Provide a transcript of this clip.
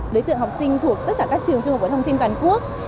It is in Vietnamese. đối tượng học sinh thuộc tất cả các trường trung học phổ thông trên toàn quốc